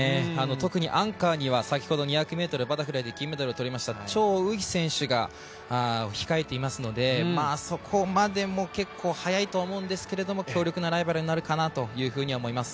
特にアンカーには、先ほど２００ｍバタフライで金メダルを取りました張雨霏選手が控えていますので、そこまでも結構速いと思うんですけど強力なライバルになるかなと思います。